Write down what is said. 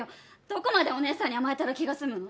どこまでお姉さんに甘えたら気が済むの？